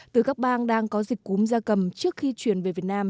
từ các bang đang có dịch cúm da cầm trước khi truyền về việt nam